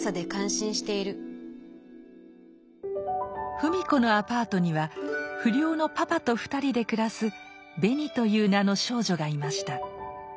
芙美子のアパートには不良のパパと２人で暮らすベニという名の少女がいました。